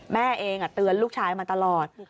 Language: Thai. แม่เองเตือนลูกชายมาตลอด